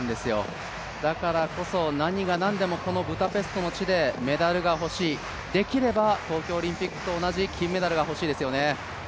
だからこそ何が何でもこのブダペストの地でメダルが欲しい、できれば東京オリンピックと同じ金メダルが欲しいですよね。